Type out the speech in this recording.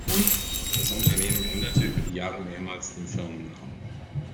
Das Unternehmen änderte über die Jahre mehrmals den Firmennamen.